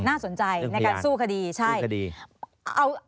ในการสู้ขดีใช่ขยาย